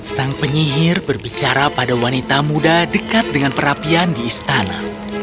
sang penyihir berbicara pada wanita muda dekat dengan perapian di istana